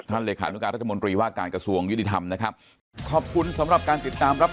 อันนี้เรียกร้องได้ไม่น่าจะต่างกันครับ